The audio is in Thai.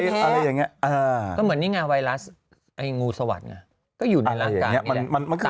ก็เหมือนนี่ไงไวรัสไองูสวัสดิ์ะก็อยู่ในร่างกาย